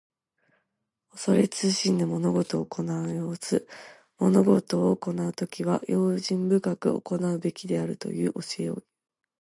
恐れ慎んで物事を行う様子。物事を行うときには、用心深く行うべきであるという教えをいう。